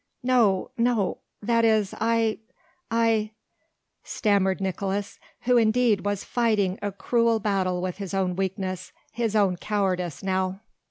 "No no that is I ... I ..." stammered Nicolaes who, indeed, was fighting a cruel battle with his own weakness, his own cowardice now.